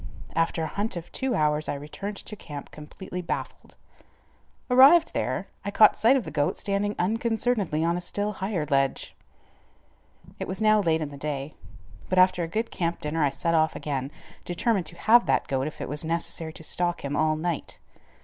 After a hunt of two hours I returned to camp completely baffled. Arrived there, I caught sight of the goat standing unconcernedly on a still higher ledge. It was now late in the day, but after a good camp dinner I set off again, determined to have that goat if it was necessary to stalk him all night.